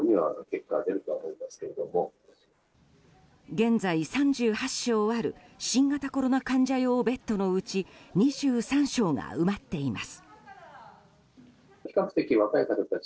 現在、３８床ある新型コロナ用患者ベッドのうち２３床が埋まっています。